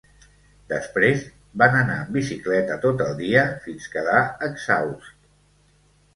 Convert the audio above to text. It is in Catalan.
Després van anar en bicicleta tot el dia, fins quedar exhaust.